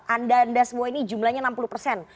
anda anda semua ini jumlahnya enam puluh persen